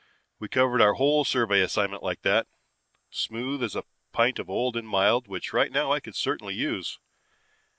We covered our whole survey assignment like that, smooth as a pint of old and mild which right now I could certainly use.